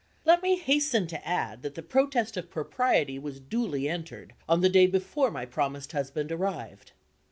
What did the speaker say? Let me hasten to add that the protest of Propriety was duly entered, on the day before my promised husband arrived.